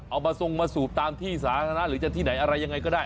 เอามาทรงมาสูบตามที่สาธารณะหรือจะที่ไหนอะไรยังไงก็ได้